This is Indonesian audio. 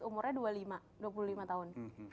umurnya dua puluh lima dua puluh lima tahun